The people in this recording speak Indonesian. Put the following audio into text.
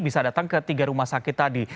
bisa datang ke tiga rumah sakit tadi